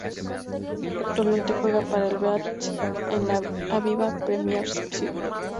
Actualmente juega para el Bath en la Aviva Premiership.